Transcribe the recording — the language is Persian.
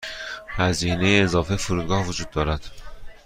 هزینه اضافه فرودگاه وجود دارد.